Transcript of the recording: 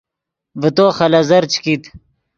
ڤے تو خلیزر چے کیت